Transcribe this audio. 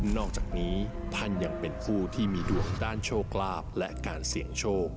อกจากนี้ท่านยังเป็นผู้ที่มีดวงด้านโชคลาภและการเสี่ยงโชค